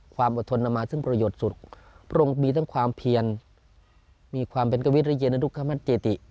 ความอดทนอามาจึงประโยชน์สุดพระองค์มีทั้งความเพียรมีความเป็นกระวิทย์ระเยนในทุกขมันเจติ